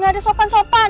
gak ada sopan sopan